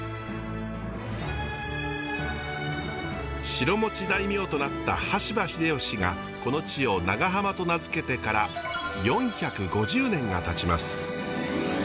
城持ち大名となった羽柴秀吉がこの地を長浜と名付けてから４５０年がたちます。